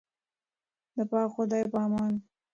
د پاک خدای په امان.